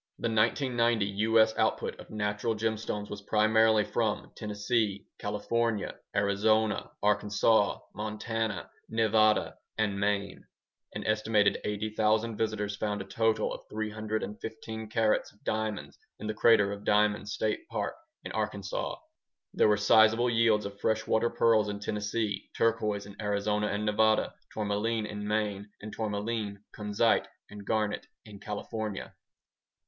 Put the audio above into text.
The 1990 U.S. output of natural gemstones was primarily from Tennessee, California, Arizona, Arkansas, Montana, Nevada, and Maine. An estimated 80,000 visitors found a total of 315 carats of diamonds in the Crater of Diamonds State Park in Arkansas. There were sizeable yields of freshwater pearls in Tennessee, turquoise in Arizona and Nevada, tourmaline in Maine, and tourmaline, kunzite, and garnet in California.